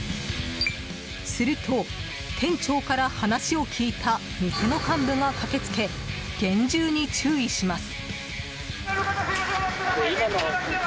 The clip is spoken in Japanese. すると、店長から話を聞いた店の幹部が駆けつけ厳重に注意します。